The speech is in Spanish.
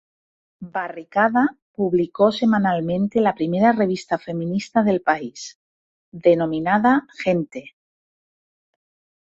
Barricada publico semanalmente la primera revista feminista del país, denominada "Gente".